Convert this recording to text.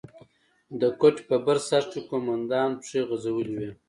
د کوټې په بر سر کښې قومندان پښې غځولې وې.